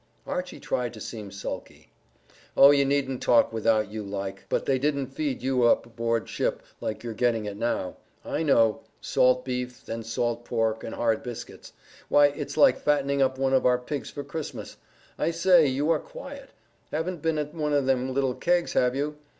Archy tried to seem sulky. "Oh, you needn't talk without you like, but they didn't feed you up aboard ship like you're getting it now, I know; salt beef, then salt pork, and hard biscuits. Why, it's like fattening up one of our pigs for Christmas. I say, you are quiet. Haven't been at one of them little kegs, have you?